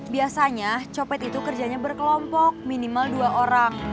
biasanya copet itu kerjanya berkelompok minimal dua orang